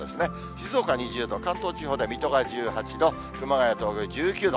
静岡は２０度、関東地方では水戸が８度、熊谷、東京が、１９度。